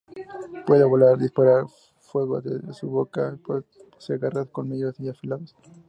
Puede volar, disparar fuego desde su boca y posee garras y colmillos afilados.